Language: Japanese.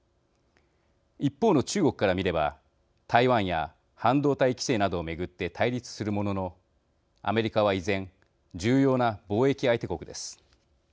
一方の中国から見れば台湾や半導体規制などを巡って対立するものの、アメリカは依然重要な貿易相手国です。